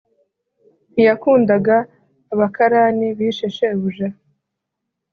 Ntiyakundaga abakarani bishe shebuja.